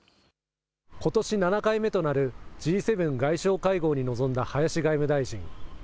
ことし７回目となる、Ｇ７外相会合に臨んだ林外務大臣。